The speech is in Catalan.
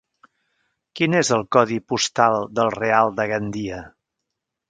Quin és el codi postal del Real de Gandia?